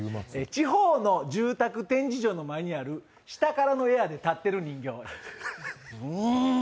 地方の住宅展示場の前にある下からのエアーで立ってる人形。